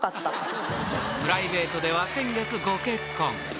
［プライベートでは先月ご結婚］